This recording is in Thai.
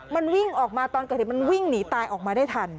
มันวิ่งออกมาตอนเกิดเหตุมันวิ่งหนีตายออกมาได้ทัน